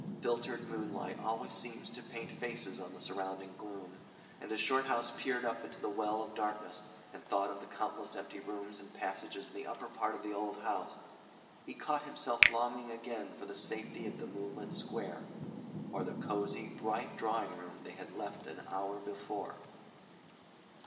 Filtered moonlight always seems to paint faces on the surrounding gloom, and as Shorthouse peered up into the well of darkness and thought of the countless empty rooms and passages in the upper part of the old house, he caught himself longing again for the safety of the moonlit square, or the cosy, bright drawing room they had left an hour before.